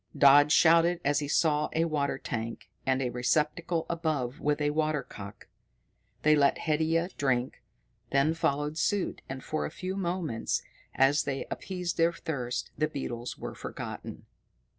Dodd shouted as he saw a water tank, and a receptacle above it with a water cock. They let Haidia drink, then followed suit, and for a few moments, as they appeased their thirst, the beetles were forgotten.